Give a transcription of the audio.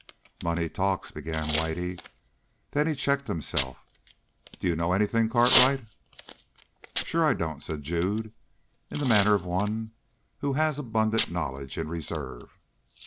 "Money talks," began Whitey, then he checked himself. "Do you know anything, Cartwright?" "Sure I don't," said Jude in the manner of one who has abundant knowledge in reserve.